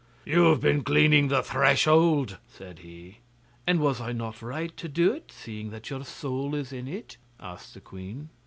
'You have been cleaning the threshold,' said he. 'And was I not right to do it, seeing that your soul is in it?' asked the queen.